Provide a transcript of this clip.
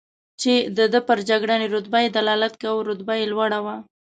چې د ده پر جګړنۍ رتبه یې دلالت کاوه، رتبه یې لوړه وه.